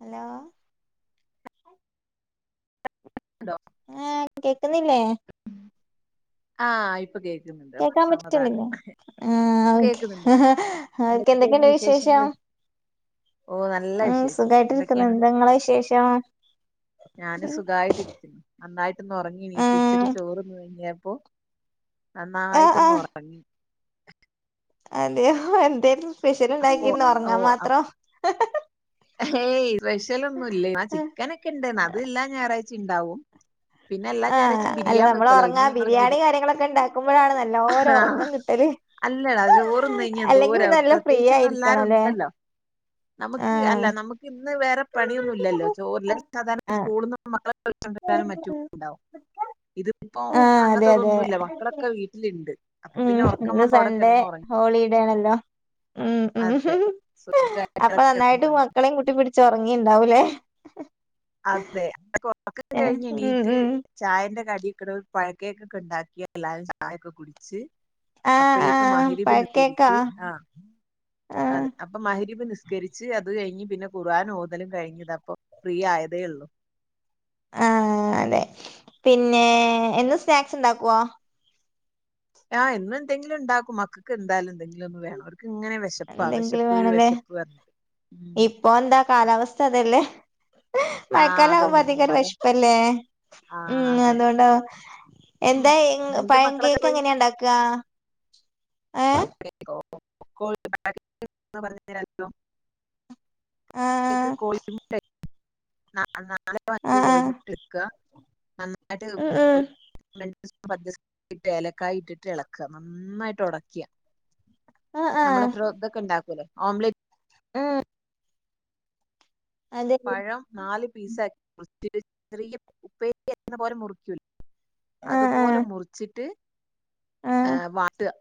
Hello കേക്ന്നുണ്ടോ? ഏ കേക്ക്‌ന്നില്ലേ? ഉം ആ ഇപ്പ കേക്ക്‌- കേക്കാൻ പറ്റ്ണില്ലെ ആഹ് ഇപ്പൊ ഓകെ കേൾക്കുന്നുണ്ട് ഹ ഹാ എന്തൊക്കെയാണ് എന്തൊക്കെയ്ണ്ട് വിശേഷങ്ങള് വിശേഷം. ഓ നല്ല ഉം വിശേഷം സുഖായ്ട്ടിരിക്കുണു എന്തൊക്കെയാണ് എന്തഇങ്ങളെ വിശേഷം. ഞാന് ഉം സുഖായിട്ട് ഇരിക്കുന്നു നന്നായിട്ട് ഇന്ന് ഒറങ്ങി നീറ്റ് ഉച്ചക്ക് ചോറ്ന്ന് കഴിഞ്ഞപ്പോ. ആഹ് ആഹ് നന്നായിട്ടൊന്നൊറങ്ങി. അതെയോ എന്തേലും സ്പെഷ്യല് ഇണ്ടാക്കിന്നൊറങ്ങാൻ മാത്രം. ഹേയ് സ്പെഷ്യൽ ഒന്നുംല്ല എന്നാ ചിക്കനൊക്കെ ഇണ്ടന്ന് അതെല്ലാ ഞായറാഴ്ച്ചേ ഇണ്ടാവും. ആഹ അല്ല നമ്മള് ഉറങ്ങാ ബിരിയാണി ബിരി കാര്യങ്ങളൊക്കെ ഇണ്ടാക്കുമ്പഴാണ് ആഹ് നല്ലോരൊറക്കം കിട്ടല്. അല്ലടാ ചോറ്ന്നെയ്ഞ്ഞ അല്ലെങ്കി എന്തോര പിന്നെ [inaudible] നല്ല ഫ്രീ പെയ്ച്ച് ആയിരിക്കണം അല്ലേ ഇന്നെല്ലാരുണ്ടല്ലൊ ന്നമ്ക്ക് എല്ലാ ആഹ് ന്നമ്ക്- ഇന്ന് വേറെ പണിയൊന്നുല്ലല്ലോ ചോറില ഇല്ലെങ്കിൽ സാധാരണ സ്കൂള്ന്ന് മക്കളെ- വിളിച്ചോണ്ടെരാനും മറ്റു ഉണ്ടാവും ആഹ് ഇതിപ്പോ ആഹ് അതെ അങ്ങൻത്തെ അതെ ഇതൊന്നുല്ല മക്കളെ. ഒക്കെ വീട്ടില്ണ്ട്. ഉം ഇന്ന് സൺഡേ ഹോളിഡേ ആണല്ലോ? ഉം ഉ ഹ് അതെ ഹ് അപ്പ നന്നായിട്ട് കിടന്നുറങ്ങി മക്കളെയും കൂട്ടിപ്പിടി- ചൊറങ്ങിണ്ടാവുല്ലേ. അതെ അ കൊറക്കം ഉം കഴിഞ്ഞെണീറ്റ്. ഉം ചായന്റെ കടിക്ക്‌ട് പഴക്കേക്കൊക്കെ ഇണ്ടാക്കിയ എല്ലാവരും ചായൊക്കെ കുടിച്ചു. ആഹ് അപ്പൊഴേക്കും ആഹ് മഹ് രിബ് പഴക്കേക്കാ നിസ്കരിച്ച് ആ. ആഹ് അതെ അപ്പ മഹ് രിബ് നിസ്കരിച്ച് അത് കഴിഞ്ഞ് പിന്നെ കുർആൻ ഓതലും കഴിഞ് താ അപ്പൊ ഫ്രീ ആയത്. തേ ഉള്ളൂ ആ അതെ പിനെ എന്നും സ്നാക്സ് ഇണ്ടാക്കുവോ? ആഹ് എന്നും എന്തെങ്കിലും ഇണ്ടാക്കും മക്കക്ക് എന്തായാലും എന്തെങ്കിലും ഒന്ന് വേണം അവർക്ക് ഇങ്ങനെ വെഷ - വെശപ്പാ എന്തെങ്കിലും വെശപ്പ് വെശപ്പ് പറഞ്ഞിട്ട് ഉം. അതെന്താ കാലാവസ്ഥ അതല്ലേ. ഹ് ആ മഴക്കാലം ആകുമ്പോ അതന്നെ അധികൊരു മഴ വെഷപ്പല്ലേ ആ ഉം അതെ അതോണ്ടാ. ഉം. എന്താ ഏഇങ് നിന്റെ പഴം മക്കളൊക്കെ കേക്ക് പോയി എങ്ങനെയാ ഇണ്ടാക്കാ ഏ [unintelligible] ആഹ് കോഴിമു നാളെ അഞ്ച് ആഹ് ആഹ് കോഴിമുട്ട എടുക്ക ഉം ഉം [unintelligible] ന്ന്ട്ട് [unintelligible] ഇട്ട് ഏലക്കായ ഇട്ടിട്ട് ഇളക്കുക നന്നായിട്ട് ഉടക്കുക ആഹ് ആഹ് നമ്മളപ്പ ഇതൊക്കെ ഉണ്ടാക്കല്ലേ ഓംലറ്റ് മ്മ് പഴം നാല് പീസ് ആയി മുറിച് ചെറിയ ഉപ്പേരിക്ക് അറിയുന്ന പോലെ മുറിക്കൂല്ല ആഹ് അതുപോലെ ആഹ് മുറിച്ചിട്ട് ആഹ് വാട്ടുക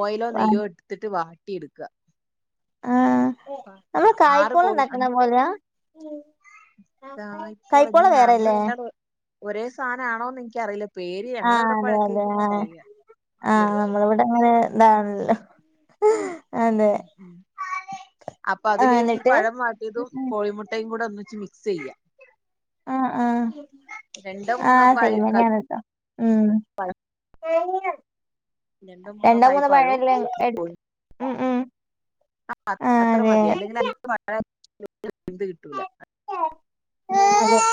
ഓയിലോ ആഹ് നെയ്യോ എടുത്തിട്ട് വാട്ടി എടുക്കുക ആഹ് ആറ് ബോളി അഞ്ചു കൊല ഉ അതാ ഇപ്പോൾ ഇനി നമ്മള് കണ്ടാ ഒരേ സാധനം ആണോന്ന് എനിക്കറിയില്ല പേര് ഞങ്ങള ആഹ് ഇവിടെപ്പോ അതെ അതെ പഴക്കക്കണ ആഹ് പറയ വട്ടടു ആഹ് നമ്മളിവിടെ അങ്ങനെ എന്താണല്ല ഉ ഉ അപ്പൊ ആഹ് അതിലേക്ക് ഈ എന്നിട്ട് പഴം മാറ്റിയതും കോഴിമുട്ടയും കൂടെ ഒന്നച്ച് മി ക്സ് ചെയ്യ ആഹ ആഹ മൂന്നോ ആഹ പായി സൈമനയാണതോ ഉം രണ്ടോ മൂന്നോ പഴ അല്ലെ എടുത്ത് ഉം ഉം ആഹ ആഹ് അത്ര അതെ മതി അല്ലെങ്കിൽ അധികം എന്ത് കിട്ടൂല ആഹ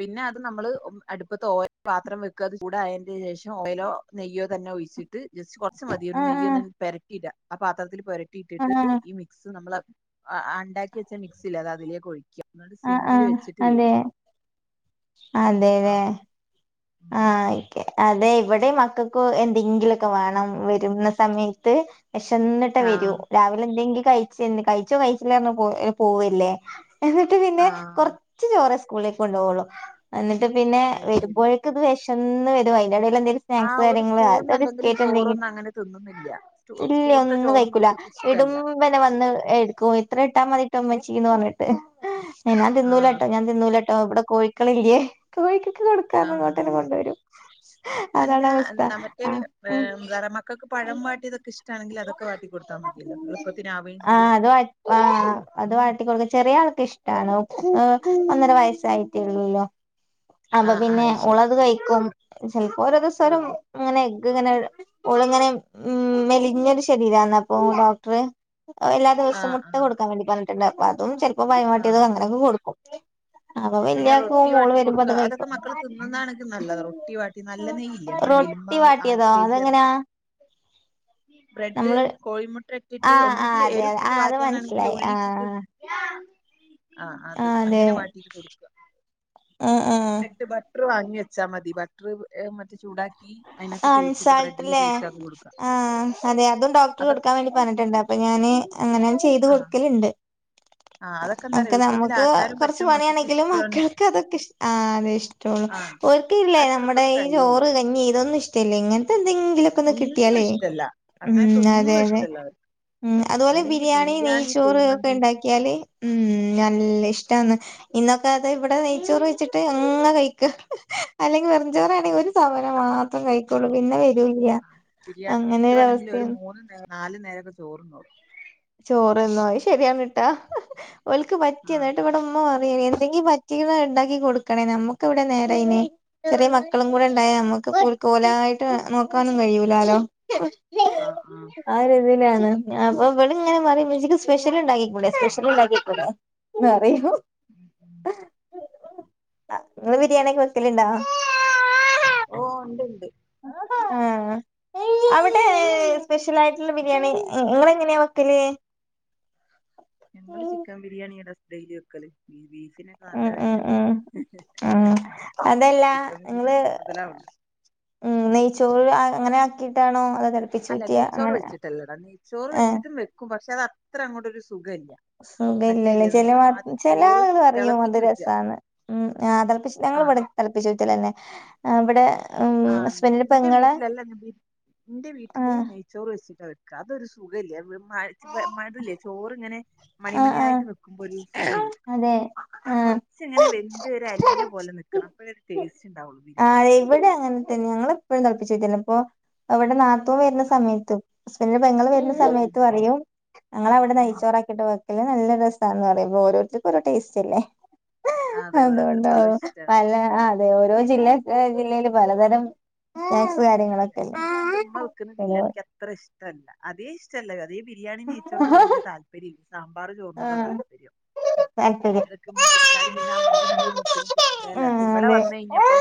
പിന്നെ അത് നമ്മള് അടുപ്പത്തെ ഓയിൽ പാത്രം വെക്ക ചൂട് അതിന് ശേഷം ഓയിലോ നെയ്യോ തന്നെ ഒഴിച്ചിട്ട് ജസ്റ്റ് കുറച്ചച്ച് മതിയൊ ആഹ് നെയ് ഒന് പെരട്ടിടാ ആ പാത്രത്തില്ൽ പരട്ടിയിട്ടിട്ട് ആഹ് ഈ മ മിക്സ് നമ്മള് ഉണ്ടാക്കി വെച്ചാ മിക്സി ഇല്ലെ അത് അതിലേക്ക് ഒഴിക്കുക എന്നിട്ട് ആഹ് സിമ്മിൽ വെച്ചിട്ട് വേവിക്കുക അതെതെ ആഹ് ആഹ ക്കെ അതെ ഇവിടെ മക്കൾക്ക് എന്തെങ്കിലുംഒക്കെ വേണം വരുന്ന സമയത്ത് വിശന്നിന്റെ വരൂ ആഹ് രാവിലെ എന്തെങ്കിലും കഴച്ച് കഴിച്ചോ കഴിച്ചിലെന്നു പോ പോവല്ലേ എന്നിട്ട് പിന്നെ ആഹ് കൊറച്ച് ചോറെ സ്കൂളിലേക്ക് കൊണ്ടു പോവൂള്ളു എന്നിട്ട് പിന്നെ അത് ശരി വരുമ്പോഴേക്ക് ഇത് വിശന്ന് വരും അതിന്റെ ഇടയിൽ എന്തേലും ആ സ്നാക്സ് ഒരു കാര്യങൾ സ്കൂളിന്ന് അത അല്ലെങ്കിലും ബിസ്കേറ്റ് എന്തെങ്കിലും ചോറൊന്നും അങ്ങനെ തിന്നുന്നില്ല ഇല്ല സ്കൂളത്തെ ഒന്നും ചോറൊന്നും കഴിക്കൂല അവർക്ക് ഇടും ഇഷ്ടല്ല ഉനെ വന്ന് എടുക്കും ഇത്ര ഇട്ടാ മതിട്ടോ അമ്മച്ചീന്ന് പറന്നിട്ട് ന തിന്നൂല ആഹ് കേട്ടോ ഞാ നിന്നൂല കേട്ടോ ഇവിടെ കോഴിക്കളില്ലല്ലേ കോഴിക്കൊക്കെ കൊടുക്കാന് ആഹ് ഇങ്ങോട്ടന്നെ കൊണ്ട വരും അല്ല നമ്മറ്റേ ആ ഉം വറ മക്കൾക്ക് പഴം വാട്ടിയതൊക്കെ ഇഷ്ടമാണെങ്കിൽ അതൊക്കെ വാട്ടികോടുത്താൽ മതിയല്ലോ എളുപ്പത്തിനാവുകയും ചെയ്യും ആഹ് അത് വാട്ടിക്കൊടുക്ക ചെറിയ ആൾക്ക ഇഷ്ടം ണോ ഹ ഒന്നര വയസ്സായിട്ടേള്ല്ലോ അപ്പൊ ആഹ് ആഹ് പിന്നെ അത് ശരി ഉളത് കഴിക്കും ചിലപ്പോ ഓരോ ദിവസരും ആഹ് അങ്ങനെ എഗ്ഗ് ഇങ്ങനെ ഒളിങ്ങനെ ഉ മെലിഞ്ഞൊരു ശരീരന്ന അപ്പൊ ഡോക്ടർ എലദിവസം ആഹ് മുട്ട ആഹ് കൊടുക്കാൻ വേണ്ടി പറഞ്ഞിട്ടുണ്ട് അപ്പൊ അതും ചിലപ്പോ ഭയമാട്ടിയതും ആഹ് അങ്ങനെയൊക്കെ കൊടുക്കും അപ്പൊ പിന്നെ റോട്ടി വല്യാക്കും മോള് വാട്ടി വരുമ്പോ കൊടുക്കുക അത് അതൊക്കെ കഴിക്കും മക്കൾ തി ന്നണക്ക് നല്ലത് റോട്ടി വാട്ടി നല്ല നെയില്ലേ നമ്മ മിൽമ റൊട്ടി ആർ വാട്ടിയതോ കെ ജിക്ക അതെങ്ങനാ അതൊക്കെ ബ്രെഡ് നമ്മള് കോഴിമുട്ട ഇട്ടിട്ട് ആഹ് ആഹ് ഒന്നക്കില് അതെ അതെ എരിട്ടിട്ട് ആഹ് അത് വറ്റാനാണെങ്കിൽ മനസ്സിലായി ഉള്ളിട്ടിട്ട് ആഹ് ആഹ അത് ആഹ് അങ്ങനെ വാട്ടീട്ട് കൊടുക്കുക മ് മ്മ് ട്ട് ബട്ടർ വാങ്ങി വെച്ചാൽ മതി ബട്ടർ മറ്റേ ചൂടാക്കി ആ അതിനകത്ത് തേച്ചിട്ട് ബ്രെഡിൽ അൻസാൾട്ടല്ലേ തേച്ച് അത് കൊടുക്കാം ആഹ അതെ അതും ഡോക്ടർ അതൊ കൊടുക്കാൻ വേണ്ടി പറഞ്ഞിട്ടുണ്ട് അപ്പൊ ഞാന് അങ്ങനെ ചെയ്ത് ആ കൊടുക്കലുണ്ട് ആ അതൊക്കെ എന്താ പറയാ ഒക്കെ എളുപ്പത്തിൽ നമ്മുക്ക് ആക്കാനും കൊർച്ച് പറ്റും മക്കൾക്ക് പണിയാണെങ്കിലും ഇഷ്ടമാണ് മക്കൾക്ക് അതൊക്കെ ഇഷ് ആഹ് അതെ ഇഷ് ആ [unintelligible] ഓൽക്ക് ഇല്ലേ അതൊക്കെ നമ്മുടെ എളുപ്പത്തിൽ ഈ കഴിയല്ലോ ചോറ് കഞ്ഞി ഇതൊന്നും ഇഷ്ടല്ലേ ഇങ്ങൻത്തെ എന്തെങ്കിലും ക്കൊന്ന് ഒന്നും കിട്ടിയാലേ ഇഷ്ടല്ല ഉം അങ്ങനത്തെ അതെ ഒന്നും അതെ ഇഷ്ടല്ല അവർക്ക് ഉം അതുപോലെ അല്ലെങ്കിൽ ബിരിയാണി നെയ്ച്ചോറ് ഒക്കെ കുഴിമന്തി ഉണ്ടാക്കിയാല് ഉം നല്ല ഇഷ്ടാന്ന് ഇന്നൊക്കെ അത് ഇവിടെ നെയ്ച്ചോറ് വെച്ചിട്ട് അങ്ങെ കഴിക്കാ അല്ലെങ്കി വെറുഞ്ചോറാണെങ്കി ഒരു തവണ മാത്രം കഴക്കൊള്ളൂ പിന്നെ വരൂല്ല ബിരിയാണി നെയ്ച്ചോറാണെങ്കിൽ ഒരു അങ്ങനെരവസ്ഥയാണ് മൂന്ന് നേരം നാല് നേരൊക്കെ ചോറന്നോളു ചോറ്ന്നോ അത്‌ ശരിയാണ് ട്ടാ ഓൽക്ക് പറ്റിയ ആ ന്നട്ട്ങ്ങട്ടും മ്മ പറിയേയ്നി എന്തെങ്കിലും പറ്റീക്ക്ണ ഉണ്ടാക്കി കൊടുക്കണേ നമ്മുക്ക് ഇവിടെ നേരയ്നി ചെറിയ മക്കളും കൂടെണ്ടായ നമ്മുക്ക് ഓൽക്ക് ഓലായിട്ട് നോക്കാനും കഴിയൂലാലോ അഹ് ആഹ് ആ രീതിലാണ് ഞ്ഞാ അപ്പം ഇവളിങ്ങനെ പറിം മ്മച്ചിക്ക് സ്പെഷ്യലിണ്ടാക്കിക്കൂടെ സ്പെഷ്യല്ണ്ടാക്കിക്കൂടെന്ന് പറിയും ഉം ഉം അഹ് ങ്ങള് ബിരിയാണിയൊക്കെ വെക്കലിണ്ടോ? ഓഹ് ണ്ട്ണ്ട് ആഹ് അവിടെ സ്പെഷലായ്ട്ടിള്ള ബിരിയാണി ഇങ്ങളെങ്ങനെയാ വെക്കല്? ഞങ്ങള് ചിക്കം ബിരിയാണിയാട ഡെയിലി വെക്കല് ഈ ബീഫിനെ നല്ല ഉം ഉം വെലേല്ലേ ഉം ഉം അതല്ല ചിക്കം നിങ്ങള് ബിരിയാണി മൊതലാവുള്ളൂ. ഉം നെയ്ച്ചോറ് അങ്ങനെ ആക്കിയിട്ടാണോ അതൊ തൾ അല്ല നെയ്ച്ചോറ് വെച്ചിട്ടല്ലടാ നെയ്ച്ചോറ് ഏഹ് വെച്ചിട്ടും വെക്കും പക്ഷേ അത് അത്ര അങ്ങോട്ടൊരു സുഖല്ല്യ. സുഖല്ല്യലേ ചെലവാ ചെല ആള്കള് പറിയും അത് തിളപ്പിച്ചൂറ്റുക രസാന്ന്. ഉം ആഹ് ‌തൾപ്പിച്ച് ഞങ്ങൾ ആഹ് ഇവിടെ തൾപ്പിച്ചൂറ്റലന്നെ ആഹ് വടെ ആഹ് അങ്ങനെ ഇന്റെ വീട്ടിലല്ല ഞാൻ ബീ ഇന്റെ വീട്ടില് ആഹ് നെയ് ചോറ് വെച്ചിട്ടാ വെക്കാ അതൊരു സുഖല്ല്യ മഴ് മഴ്തില്ലേ ചോറ്ങ്ങനെ ആഹ് ആഹ് മണിമണിയായിട്ട് നിക്കുമ്പോ ഒരു സുഖല്ല്യ അതെ ആഹ് കൊറച്ചിങ്ങനെ വെന്ത് ഒരു അലിഞ്ഞ പോലെ നിക്കണം അപ്പയേ ടേസ്റ്റ്ണ്ടാവുള്ളു. ആഹ് ഇവിടെ അങ്ങൻതന്നെ ഞങ്ങളെപ്പയും തൾപ്പിച്ചൂറ്റ്യന്നെ ഇപ്പൊ ഇവടെ നാ ത്തൂൻ വെര്ന ആഹ് സമയത്തും ഹസ്ബന്റിന്റെ പെങ്ങള് വെര്ന്ന ഉം ഉം സമയത്ത് പറയും ഞങ്ങളവിടെ ഉം നെയ്ച്ചോറാ ക്കിട്ട് വെക്കല് നല്ല രസാന്ന് പറിയും പോ ഓരോത്തര്ക്കും ഓരോ ടേസ്റ്റല്ലേ. അതെ ഓരോരുത്തർക്കും ഓരോ അത്കൊണ്ടാവും ഇഷ്ടാണ് പല അതെ ഓരോ ജില്ലക ജില്ലയിലും പലതരം സ്നാക്സ് കാര്യങ്ങളൊക്കെല്ലെ ചെലോ അത്രഇഷ്ടല്ല ആദ്യേഷ് ഷ്ട്ടല്ല അദ്യേ ഈ ബിരിയാണി നെയ്ച്ചോറിനോട് വല്യ താൽപര്യല്ല സാമ്പാറ് ചോറിനോടാ ആഹ് താല്പര്യം. താല്പര്യം അയിനെടക്ക്മ്മ വെച്ചാല് പിന്നാ മഞ്ഞളിരിക്കണേക്കിഷ്ട്ടേല്ല പക്ഷേ ആഹ് ഇവടെ അതെ വന്നയ്ഞ്ഞപ്പം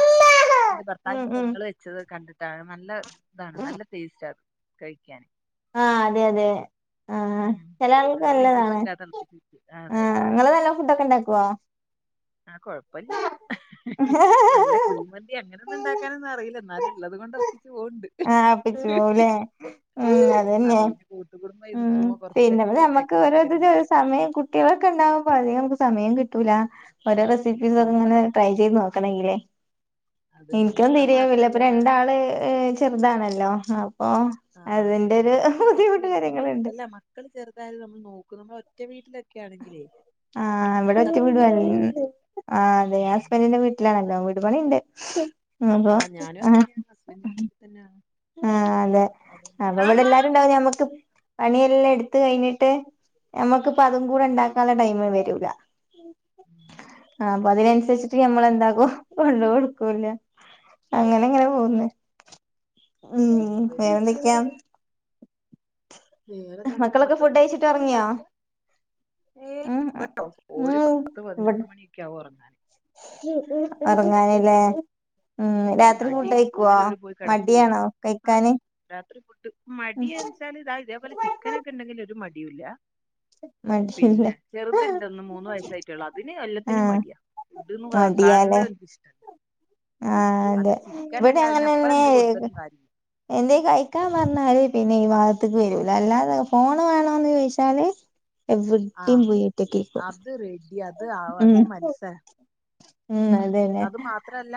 ഇന്റെ ഉം ഭർത്താവിന്റെ ഉം പെങ്ങള് വെച്ചത് കണ്ടിട്ടാണ് നല്ലതാണ് നല്ല ടേസ്‌റ്റാത് കഴിക്കാന്. ആഹ് അതെ അതെ ആഹ് ഉം. ചെല ആൾകൾക്ക് അതുകൊണ്ട് എനിക്ക് നല്ലതാണ് ഇഷ്ടാ തിളപ്പിച്ച് അതെ ആഹ് ഇങ്ങള് നല്ല ഫുഡൊക്കെ ഉണ്ടാക്കോ? ആഹ് കൊഴപ്പല്ല്യ നല്ല കുഴിമന്തി അങ്ങനൊന്നുംണ്ടാക്കാനൊന്നും അറിയില്ല ന്നാലും ഇള്ളത് കൊണ്ട് ഒപ്പിച്ച് പോവ്ണ്ട് ആഹ് ഒപ്പിച്ചു പോവുലേ ഉം അതന്നെ കൂട്ടുകുടുംബ ഉം പിന്നെപ്പ ഞമ്മക്ക് ഓരോത്തിനൊരു സമയം കു കുട്ടികളൊക്കെണ്ടാവുമ്പ അതിക് കുട്ട്യാളൊക്കെ ഉണ്ടാവുമ്പോ അധികം നമുക്ക് സമയം കിട്ടൂല ഓരോ കിട്ടൂല റെസിപ്പീസൊക്കങ്ങനെ ട്രൈ ചെയ്ത് നോ ക്കണെങ്കിലേ അതന്നെ. ഇൻക്കും അത് തിരിയാവില്ല ഇപ്പ മാത്രല്ലടാ രണ്ടാള് ഏഹ് ചെറുതാണല്ലോ ആപ്പൊ ആഹ് അതന്നെ മക്കള് കൊറച്ച് വെൽപ്പം വെക്കു എല്ല മക്കള് ചെറുതായാലും നമ്മൾ നോക്കും നമ്മൾ ഒറ്റ വീട്ടിലൊക്കെ ആണെങ്കിലേ ആഹ് ഇവടെ ഒറ്റ നമുക്കതൊക്കെ വീടും ട്രൈ ചെയ്ത് [unintelligible] നോക്കാം. ആഹ് അതെ ഉം ഹസ്ബന്റിന്റെ വീ ഞങ്ങള ല്ലാണല്ലോ വീട് പണിണ്ട് അപ്പൊ ആഹ് ഞാനും ആഹ് അതന്നെയാണ് ഹസ്ബന്റിന്റെ വീട്ടി തന്നാ ആഹ് അതെ അപ്പൊവിടെ എല്ലാരുണ്ടാവും ഞമ്മക്ക് പണിയെല്ലാം എടുത്ത് കയിഞ്ഞിട്ട് ഞമ്മക്കിപ്പം അതും കൂടെണ്ടാക്കാള്ള ടൈമ് വെരൂല ഊം അപ്പൊ അതിനൻസരിച്ചിട്ട് ഞമ്മളെന്താക്കും കൊണ്ട്കൊടുക്കൂല്ല അങ്ങനെ അങ്ങനെ പോകുന്ന് ഉം വേറെന്തെക്ക്‌യാ? വേറെന്താങ്ങനെ മക്കളൊക്കെ ഫുഡ് മക്കളെവിടെ കഴിച്ചിട്ട് പോയിന്നട്ട് ഒറങ്ങിയോ കളിക്ക്യാ? ഏയ് ഉം ഓരോ ഓരു ഉം പത്ത് പതിനൊന്ന് മണിയൊക്കെയാവും ഒറങ്ങാന്. ഒറങ്ങാനിലേ ഉം രാത്രി അടി ഫുഡ് കഴിക്കോ കിട്ടിയാലേ ഓര് പോയി കെടക്കൊള്ളൂ. മടിയാണോ ആഹ് കഴിക്കാന് രാത്രി ഫുഡ് മടിയെച്ചാൽ ഇതാ ഇതേപോലെ ചിക്കൻ ഒക്കെ ഉണ്ടെങ്കിൽ ഒരു മടിയുല്ല [unintelligible] പിന്നെ ചെറുതുണ്ട് ഒന്ന് മൂന്ന് വയസ്സായിട്ടള്ളൂ. അതിന് എല്ലത്തിനും ആഹ് മടിയാ ഫുഡ് മടിയാലേ [unintelligible] ആഹ് അതെ ചിക്കൻ അല്ല ഇവിടെ അതിനപ്പുറം അങ്ങനെന്നെ എന്ത് ഏത് കൊടുത്തിട്ടും കാര്യമില്ല എന്തേലും കഴിക്കാൻ പറഞ്ഞാല് പിന്നെ ഈ ഭാഗത്തേക്ക് വരൂല്ല അല്ലാതെ ഫോണ് വേണോന്ന് ചോദിച്ചാല് എവിടെയും ആഹ് പോയി ഒറ്റക്ക് ഇരിക്കും അത് റെഡി അത് ആ- ഉം അതിന് മത്സരം ഉം [unintelligible] അത് മാത്രല്ല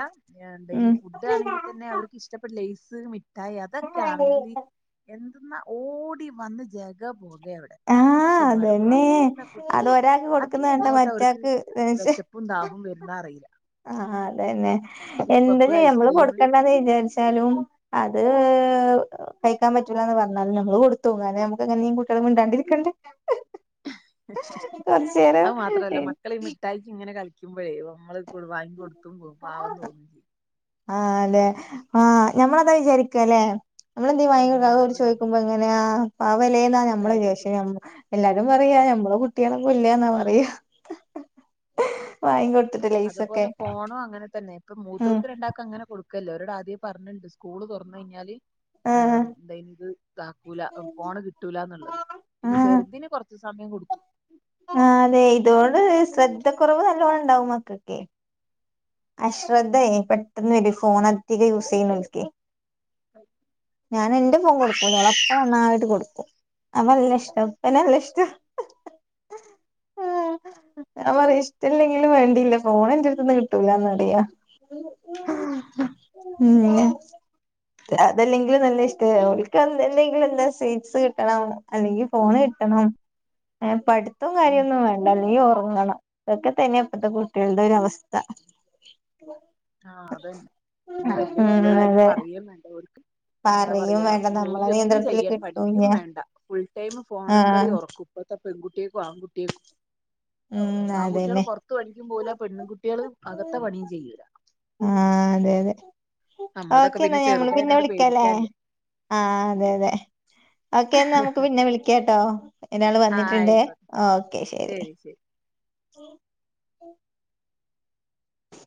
എന്ത് ഉം ഫുഡ് ആണെങ്കിൽ തന്നെ അവർക്ക് ഇഷ്ടപ്പെട്ട ലേസ് മിഠ് മിഠായി അതൊക്കെയാണെങ്കിൽ എന്തെന്നാ ഓടി വന്ന് ജഗപൊക ഇവിടെ ആഹ് പക്ഷെ ബാ അതന്നെ ബാക്കിയുള്ള ഫുഡ് അത് ഒരാൾക്ക് കൊടുക്കുന്ന അതിന് കണ്ട എങ്ങോട്ട അവർക്ക് മറ്റാക്ക് ദേഷ്യ വിശപ്പ് പ്പും ദാഹവും വരുന്ന അറിയില്ല ആഹ് ആഹ് അതന്നെ എന്താ സിപ്പപ്പ് ചെയ്യാ നമ്മള് ഐസ്ക്രീം കൊടുക്കണ്ടന്ന് വിചാരിച്ചു ച്ചാലും അത് കഴിക്കാൻ പറ്റില്ല എന്ന് പറഞ്ഞാലും ഞമ്മൾ കൊടുത്തു പോകും കാരണം നമുക്കെങ്ങനെയും കുട്ടികള് മിണ്ടാണ്ട് വിളിക്കണ്ട് കൊർചേരം മക്കളെ ഈ മിഠായിക്ക് ഇങ്ങനെ കഴിക്കുമ്പഴേ നമ്മള് വാങ്ങി കൊടുത്തും പോകും പാവം തോന്നും ആഹ് ലേ ആഹ് നമ്മളതാ വിചാരിക്ക അല്ലേ ഉം നമ്മളെന്തേലും [unintelligible] അതന്നെ ചോദിക്കുമ്പോ അങ്ങനെയ ആ പാവലേന്നാ നമ്മള് [unintelligible] ഇതാക്കി പക്ഷെ കൊടുക്ക എല്ലാരും പറയാ അതന്നെ ഞമ്മള് കുട്ടി കുട്ടികളെ [unintelligible] ന്നാ പറയാ വാങ്ങി കൊടുത്തിട്ടില്ല അതുപോലെ ഫോണും അങ്ങനെ തന്നെ ഇപ്പൊ ഉം മൂത്തവർക്ക് രണ്ടാക്കും അങ്ങനെ കൊടുക്കല്ലേ അവരോട് ആദ്യെ പറഞ്ഞിണ്ട് സ്കൂള് തുറന്ന് കഴിഞ്ഞാല് ആഹ് എന്ത് അയ്ന് ഇതാക്കൂല ഫോണ് കിട്ട കിട്ടൂല എന്നുള്ളത് പിന്നെ ആഹ് ചെറുതിന് കുറച്ച് സമയം കൊടുക്കും ആഹ് ലേ ഇതോണ്ട് ശ്രദ്ധക്കുറവ് നല്ലോണ്ണം ഉണ്ടാവും മക്കക്കെ അശ്രദ്ധയേ പെട്ടെന്ന് വരും ഫോൺ അധികം യൂസ് ചെയ്യുന്നവർക്കേ ഞാൻ എന്റെ ഫോൺ കൊടുക്കൂല്ല ഓളെ ഇപ്പ നന്നായിട്ട് കൊടുക്കും അവ നല്ല ഇഷ്ടം ഉപ്പനെ നല്ല ഇഷ്ടം. ആഹ് ഞാൻ പറയും ഇഷ്ട്ടില്ലെങ്കിലും വേണ്ടില്ല ഫോണ് എന്റെടുത്തൂന്ന് കിട്ട് കിട്ടൂലന്ന് എന്തെയ്യ ഉം ഇന്നെ? അതല്ലെങ്കിലും നല്ല ഇഷ്ടാ അവൾക്ക് എന്തെങ്കിലും എല്ലാ സീറ്റ്സ് കിട്ടണം അല്ലെങ്കി ഫോണ് കിട്ടണം ഏഹ് പഠിത്തം കാര്യോന്നും വേണ്ട അല്ലെങ്കി ഒറങ്ങണം. ഇതൊക്കെ തന്നെയാ ഇപ്പത്തെ കുട്ടികളുടെ ഒരു അവസ്ഥ. ആഹ് അത് തന്നെ പിന്നെ വല്യ ഉം കുട്ടികളായാൽ അതെ പറയെം വേണ്ട ഓൽക്ക് എന്താ പറയും പറയാ വേണ്ട നമ്മളെ ജോലിയൊന്നും നിയന്ത്രണത്തില് ചെയ്യാൻ പഠിക്കും കിട്ടൂല്ല വേണ്ട ഫുൾ ടൈം ഫോണിൽ ആഹ് കളി ഒറ കുപ്പത്തെ പെൺകുട്ട്യക്കും ആൺകുട്ട്യാക്കും ഉം ആൺകുട്ടികള് അതന്നെ പുറ പുറത്ത് പണിക്കും പോകൂല്ല പെണ്ണ് കുട്ടികൾ അകത്ത് പണിയും ചെയ്യൂല്ല. ആഹ് അതെ അതെ. നമ്മളതൊക്കെ ഓക്കെ എന്നാ പിന്നെ ഞമ്മള് പിന്നെ ചെറുതായനോണ്ട് വിളിക്കാല്ലേ പേടിക്കാല്ല ആഹ് അതെ അതെ. ഓക്കെ നമുക്ക് പിന്നെ വിളിക്കാട്ടോ എന്നാൾ ആ വന്നിട്ടുണ്ടേ ആയിക്കോട്ടെ ഓക്കെ ശെരി. ശരി ശരി ഉ ഉ [inaudible]